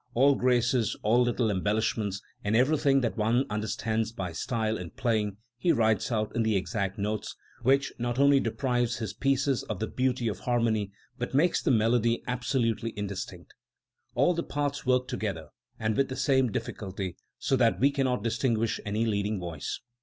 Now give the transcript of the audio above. All graces, all little embellishments, and everything that one understands by style in playing, he writes out in the exact notes, which not only deprives his pieces of the beauty of harmony, but makes the melody absolutely indistinct. All the parts work together and with the same diffi culty, so that we cannot distinguish any leading voice.